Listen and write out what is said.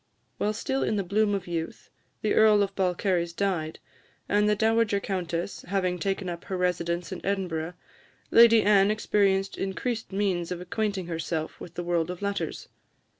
While still in the bloom of youth, the Earl of Balcarres died, and the Dowager Countess having taken up her residence in Edinburgh, Lady Anne experienced increased means of acquainting herself with the world of letters.